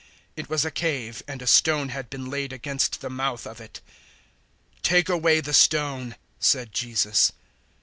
It was a cave, and a stone had been laid against the mouth of it. 011:039 "Take away the stone," said Jesus.